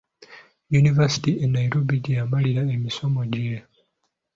Yunivaasite e Nairobi gye yamalira emisomo gye.